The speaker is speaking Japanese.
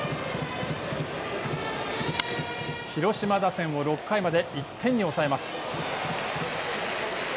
広島打線を６回まで１点に抑えます。